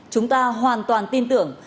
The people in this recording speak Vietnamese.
chúng ta hoàn toàn tin tưởng